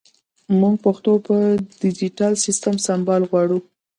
مونږ پښتو په ډیجېټل سیسټم سمبال غواړو